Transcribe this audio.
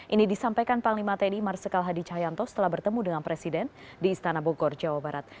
ini disampaikan panglima tni marsikal hadi cahyanto setelah bertemu dengan presiden di istana bogor jawa barat